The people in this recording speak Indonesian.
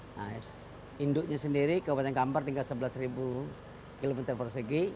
nah induknya sendiri kabupaten kampar tinggal sebelas km persegi